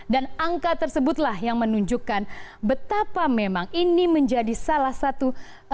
dan angka tersebutlah yang menunjukkan betapa memang ini menjadi salah satu